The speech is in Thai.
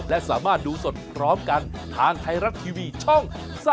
และสามารถดูสดพร้อมกันทางไทยรัฐทีวีช่อง๓๒